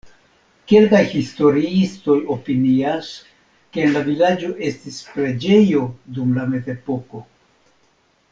Kelkaj historiistoj opinias, ke en la vilaĝo estis preĝejo dum la mezepoko.